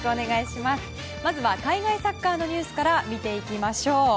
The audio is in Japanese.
まずは海外サッカーのニュースから見ていきましょう。